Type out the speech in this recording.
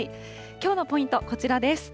きょうのポイント、こちらです。